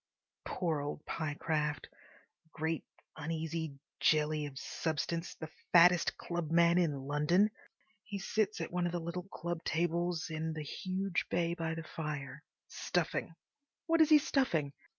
Poor old Pyecraft! Great, uneasy jelly of substance! The fattest clubman in London. He sits at one of the little club tables in the huge bay by the fire, stuffing. What is he stuffing?